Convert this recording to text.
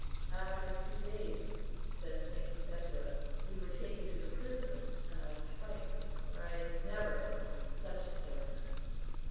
"After a few days," says St. Perpetua, "we were taken to the prison, and I was frightened, for I never had known such darkness.